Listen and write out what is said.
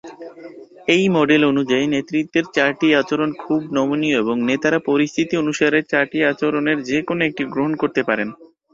এই মডেল অনুযায়ী নেতৃত্বের চারটি আচরণ খুবই নমনীয় এবং নেতারা পরিস্থিতি অনুযায়ী চারটি আচরণের যে কোনও একটি গ্রহণ করতে পারেন।